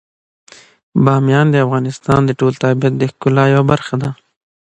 بامیان د افغانستان د ټول طبیعت د ښکلا یوه برخه ده.